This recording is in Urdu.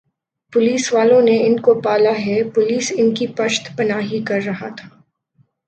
پولیس والوں نے ان کو پالا ھے پولیس ان کی پشت پناہی کررہا تھا